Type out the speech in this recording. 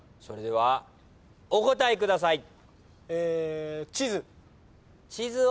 それではお答えください。